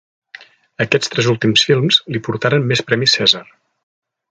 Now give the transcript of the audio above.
Aquests tres últims films li portaren més premis Cèsar.